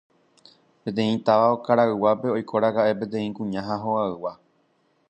peteĩ táva okarayguápe oikóraka'e peteĩ kuña ha hogaygua